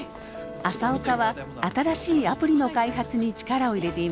朝岡は新しいアプリの開発に力を入れていました。